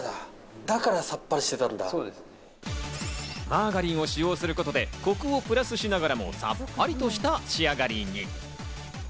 マーガリンを使用することでコクをプラスしながらもさっぱりとした仕上がりに。